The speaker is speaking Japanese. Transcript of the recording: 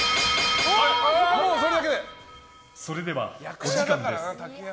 それではお時間です。